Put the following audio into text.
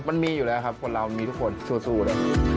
มันมีอยู่แล้วครับคนเรามีทุกคนสู้เลย